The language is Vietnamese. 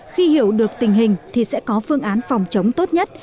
khi hiểu được tình hình thì sẽ có phương án phòng chống tốt nhất